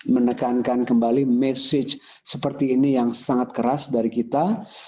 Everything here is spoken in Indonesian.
menekankan kembali message seperti ini yang sangat keras dari kita